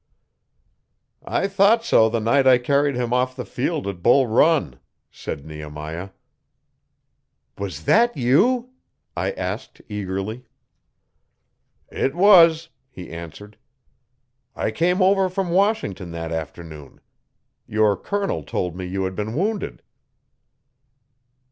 'I thought so the night I carried him off the field at Bull Run,' said Nehemiah. 'Was that you?' I asked eagerly. 'It was,' he answered. 'I came over from Washington that afternoon. Your colonel told me you had been wounded.